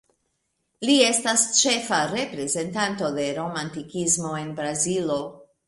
Li estas ĉefa reprezentanto de romantikismo en Brazilo.